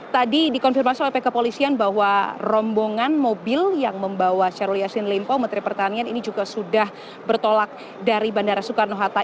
tadi dikonfirmasi oleh pihak kepolisian bahwa rombongan mobil yang membawa syahrul yassin limpo menteri pertanian ini juga sudah bertolak dari bandara soekarno hatta